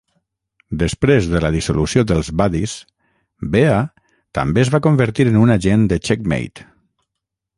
Després de la dissolució dels Buddies, Bea també es va convertir en un agent de Checkmate.